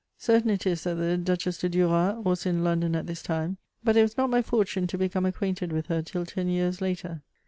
Certain it is that the Duchess de Duras was in London at this time, but it was not my fortune to become acquainted with her till ten years later.